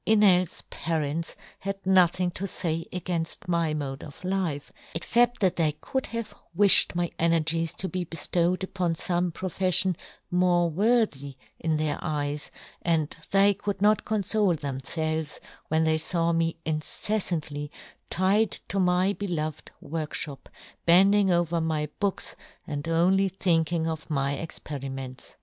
Enel's parents had nothing to fay againfl my mode of life, except that they could have wifhed my ener gies to be beftowed upon fome pro feffion more worthy in their eyes, and they could not confole them felves when they fawme incelTantly tied to my beloved workfhop, bend ing over my books, and only think ing of my experiments.